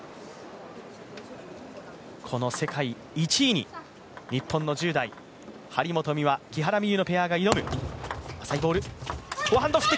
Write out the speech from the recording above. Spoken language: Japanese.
この世界１位に、日本の１０代張本美和・木原美悠のペアが挑む。